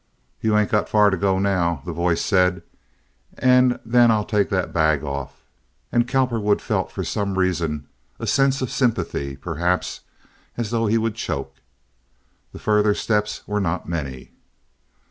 "You hain't got far to go now," the voice said, "and then I'll take that bag off," and Cowperwood felt for some reason a sense of sympathy, perhaps—as though he would choke. The further steps were not many.